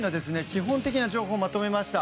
基本的な情報をまとめました。